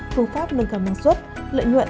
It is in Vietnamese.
phương pháp nâng cao năng suất lợi nhuận